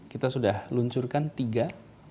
kita sudah luncurkan tiga